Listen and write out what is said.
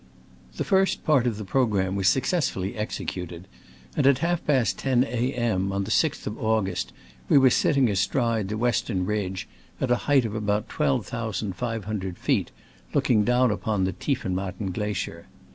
The first part of the programme was successfully executed ; and at half past ten A. M. on the 6th of August we were sitting astride the western ridge, at a height of about twelve thousand five hundred feet, looking down upon the Tiefenmatten glacier.